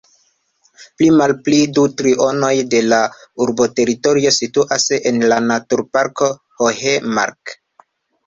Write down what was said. Plimalpli du trionoj de la urboteritorio situas en la "Naturparko Hohe Mark".